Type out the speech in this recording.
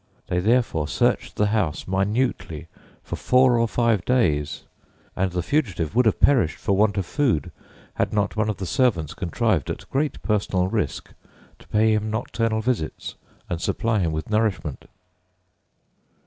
They therefore searched the house minutely for four or five days, and the fugitive would have perished for want of food, had not one of the servants contrived, at great personal risk, to pay him nocturnal visits and supply him with nourishment.